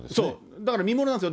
だから見ものなんですよ。